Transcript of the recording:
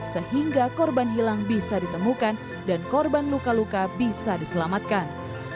sehingga korban hilang bisa ditemukan dan korban luka luka bisa diselamatkan